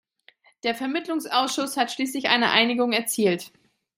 Der Vermittlungsausschuss hat schließlich eine Einigung erzielt.